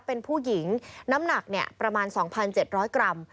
เป็นผู้หญิงน้ำหนักประมาณ๒๗๐๐กรัม